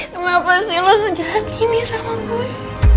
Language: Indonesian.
kenapa sih lo sejahat ini sama gue